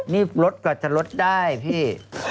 นี่รถกว่าจะลดได้พี่